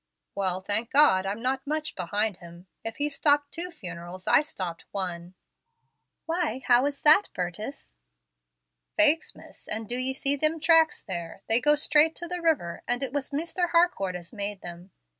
"Well, thank God, I'm not much behind him. If he stopped two funerals, I stopped one." "Why, how is that, Burtis?" "Faix, miss, an' do ye see thim tracks there? They go straight to the river, and it was Misther Harcourt as made them.